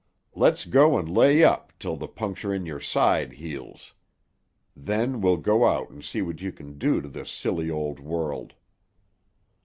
Let's go and lay up till the puncture in your hide heals. Then we'll go out and see what you can do to this silly old world."